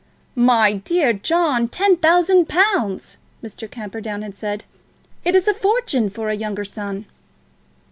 "My dear John; ten thousand pounds!" Mr. Camperdown had said. "It is a fortune for a younger son."